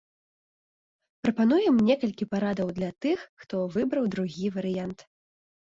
Прапануем некалькі парадаў для тых, хто выбраў другі варыянт.